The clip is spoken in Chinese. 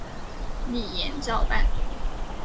李俨照办。